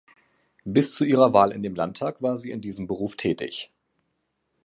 Bis zu ihrer Wahl in den Landtag war sie in diesem Beruf tätig.